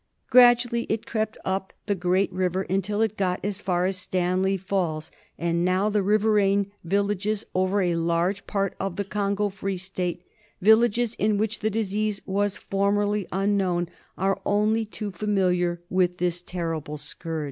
Gradu ally it crept up the great river until it got as far as Stanley Falls, and now the riveraine villages over a large part of the Congo Free State, villages in which the disease was formerly unknown, are only too familiar with this terrible scourge.